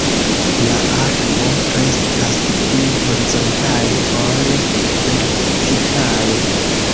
La arbo kreskas pli horizontale ol vertikale.